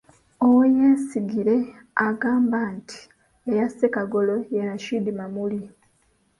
Owoyesigire agamba nti eyasse Kagolo ye Rashid Mamuli.